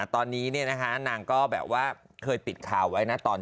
ตอนนี้เนี่ยนะคะนางก็แบบว่าเคยติดข่าวไว้นะ